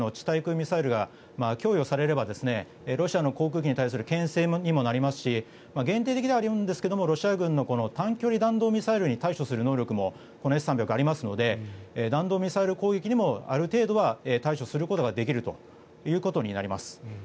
対空ミサイルが供与されればロシアの航空機に対するけん制にもなりますし限定的ではあるんですがロシア軍の短距離弾道ミサイルに対処する能力もこのＳ３００はありますので弾道ミサイル攻撃にもある程度は対処することができるということになります。